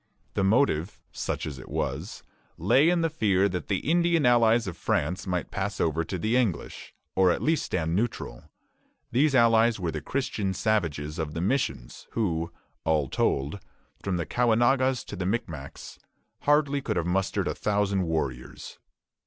The motive, such as it was, lay in the fear that the Indian allies of France might pass over to the English, or at least stand neutral. These allies were the Christian savages of the missions, who, all told, from the Caughnawagas to the Micmacs, could hardly have mustered a thousand warriors.